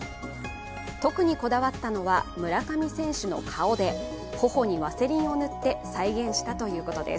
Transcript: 特にこだわったのは、村上選手の顔で、頬にワセリンを塗って再現したということです。